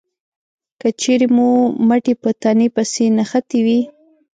که چېرې مو مټې په تنې پسې نښتې وي